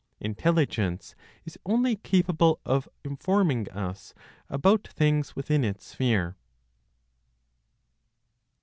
Intelligence is only capable of informing us about things within its sphere.